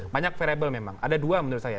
banyak variable memang ada dua menurut saya